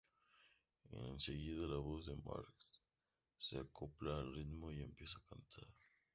En seguida, la voz de Mars se acopla al ritmo y empieza a cantar.